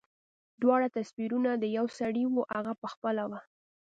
دواړه تصويرونه د يوه سړي وو هغه پخپله و.